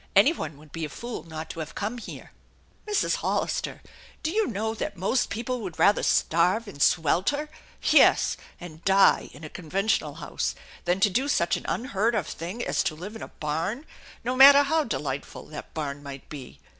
Any one would be a fool not to have come here." " Mrs. Hollister, do you know that most people would rather starve and swelter, yes and die in a conventional house, than to do such an unheard of thing as to live in a barn, no matter how delightful that barn might be